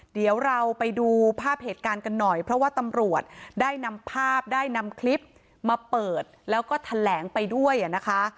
เดี๋ยวเราไปดูภาพเหตุการณ์กันหน่อยเพราะว่าตำรวจได้นำภาพได้นำคลิปมาเปิดแล้วก็แถลงไปด้วยนะคะ